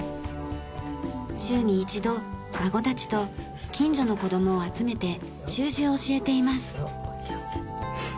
週に一度孫たちと近所の子どもを集めて習字を教えています。